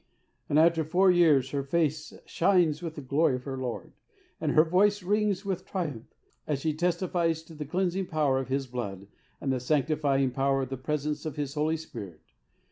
And after four years her face shines with the glory of her Lord, and her voice rings with triumph as she testifies to the cleansing pow'er of His blood and the sanctifying power and presence of His Spirit.